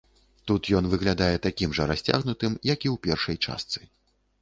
Тут ён выглядае такім жа расцягнутым, як і ў першай частцы.